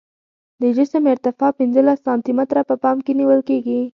د جسم ارتفاع پنځلس سانتي متره په پام کې نیول کیږي